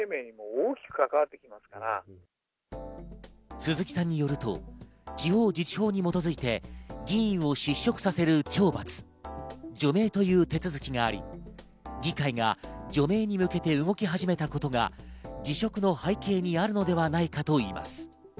鈴木さんによると地方自治法に基づいて、議員辞職させる懲罰・除名という手続きがあり、理解が除名に向けて動き始めたことが辞職の背景にあるのではないかといいます。